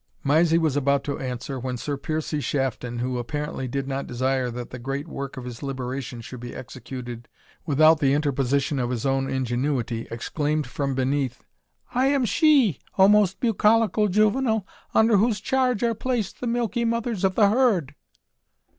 Mysie was about to answer, when Sir Piercie Shafton, who apparently did not desire that the great work of his liberation should be executed without the interposition of his own ingenuity, exclaimed from beneath, "I am she, O most bucolical juvenal, under whose charge are placed the milky mothers of the herd."